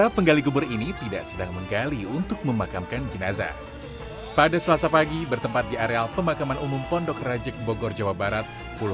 pemakaman pondok rajik bogor jawa barat